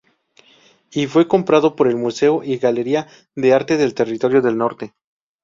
Y, fue comprado por el Museo y Galería de Arte del Territorio del Norte.